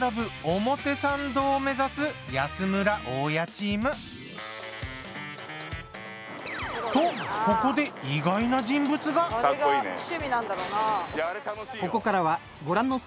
表参道を目指す安村・大家チーム。とここでおっ駿！